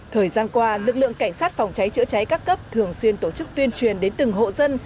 thời gian qua lực lượng cảnh sát phòng cháy chữa cháy các cấp thường xuyên tổ chức tuyên truyền đến từng hộ dân